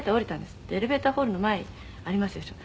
「エレベーターホールの前ありますでしょ」